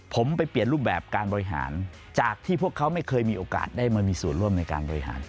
ผมไปเปลี่ยนรูปแบบการบริหารจากที่พวกเขาไม่เคยมีโอกาสได้มามีส่วนร่วมในการบริหาร